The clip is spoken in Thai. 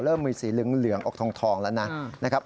เริ่มมีสีเหลืองออกทองแล้วนะครับ